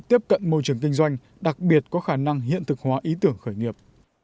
tiếp cận môi trường kinh doanh đặc biệt có khả năng hiện thực hóa ý tưởng khởi nghiệp